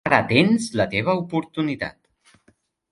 Ara tens la teva oportunitat.